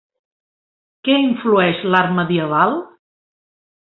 Què influeix l'art medieval?